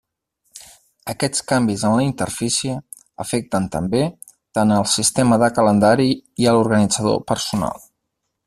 Aquests canvis en la interfície afecten, també, tant al sistema de calendari i a l'organitzador personal.